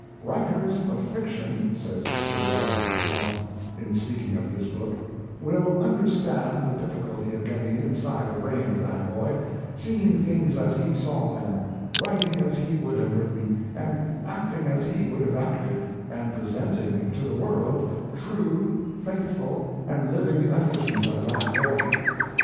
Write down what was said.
"Writers of fiction," says Sir Walter Besant in speaking of this book, "will understand the difficulty of getting inside the brain of that boy, seeing things as he saw them, writing as he would have written, and acting as he would have acted; and presenting to the world true, faithful, and living effigies of that boy.